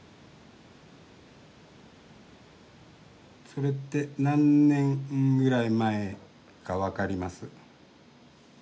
それって何年ぐらい前か分かります？